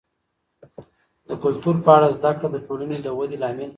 د کلتور په اړه زده کړه د ټولنې د ودي لامل کیږي.